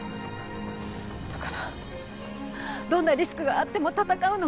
だからどんなリスクがあっても闘うの。